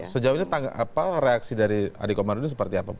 sejauh ini reaksi dari adi komarudin seperti apa